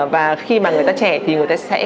và khi mà người ta trẻ thì người ta sẽ